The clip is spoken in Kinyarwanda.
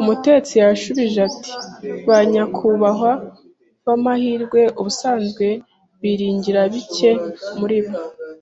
Umutetsi yasubije ati: “Ba nyakubahwa b'amahirwe, ubusanzwe biringira bike muri bo,